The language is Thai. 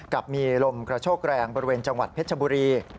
กับมีลมกระโชกแรงบริเวณจังหวัดเพชรบุรี